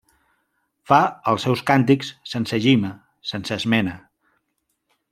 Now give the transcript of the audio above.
-Fa els seus càntics sense llima, sense esmena…